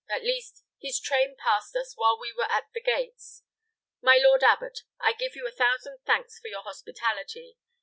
At least, his train passed us while we were at the gates. My lord abbot, I give you a thousand thanks for your hospitality.